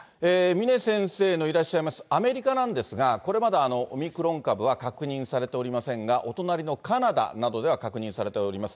峰先生のいらっしゃいますアメリカなんですが、これまでオミクロン株は確認されておりませんが、お隣のカナダなどでは、確認されております。